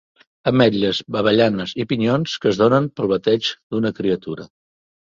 Ametlles, avellanes i pinyons que es donen pel bateig d'una criatura.